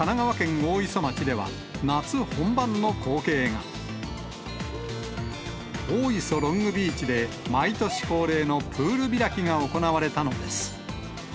大磯ロングビーチで、毎年恒例のプール開きが行われたのです。